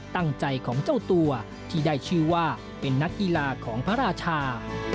ตั้งใจของเจ้าตัวที่ได้ชื่อว่าเป็นนักกีฬาของพระราชา